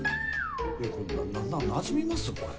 えこれなじみますこれ？